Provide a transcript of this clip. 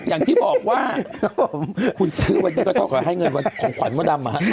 อย่างที่บอกว่าคุณซื้อวันนี้ก็จะขอให้เงินของขวัญมัวดำนะฮะ